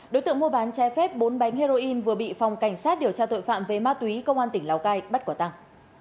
đối tượng mua bán trái phép bốn bánh heroin vừa bị phòng cảnh sát điều tra tội phạm về ma túy công an tỉnh lào cai bắt quả tàng